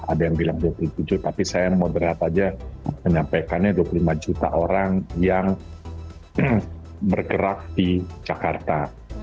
ada yang bilang dua puluh tujuh tapi saya moderat aja menyampaikannya dua puluh lima juta orang yang bergerak di jakarta